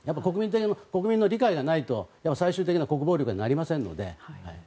国民の理解がないと最終的な国防力にはなりませんので。